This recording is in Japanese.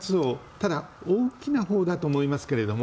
ただ大きなほうだと思いますが。